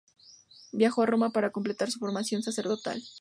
Viajó a Roma para completar su formación sacerdotal.